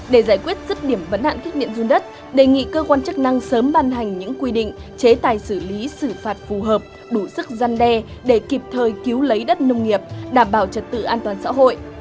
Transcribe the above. để giải quyết rứt điểm vấn hạn kích điện run đất đề nghị cơ quan chức năng sớm ban hành những quy định chế tài xử lý xử phạt phù hợp đủ sức gian đe để kịp thời cứu lấy đất nông nghiệp đảm bảo trật tự an toàn xã hội